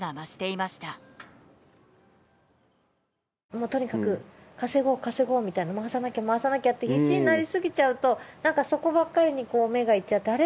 もうとにかく稼ごう稼ごうみたいな回さなきゃ回さなきゃって必死になりすぎちゃうとなんかそこばっかりに目がいっちゃってあれ？